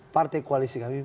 partai koalisi kami